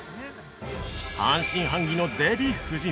半信半疑のデヴィ夫人